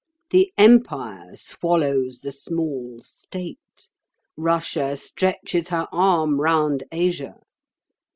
The Empire swallows the small State; Russia stretches her arm round Asia.